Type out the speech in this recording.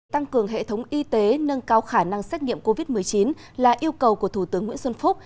tăng cường hệ thống y tế nâng cao khả năng xét nghiệm covid một mươi chín là yêu cầu của thủ tướng nguyễn xuân phúc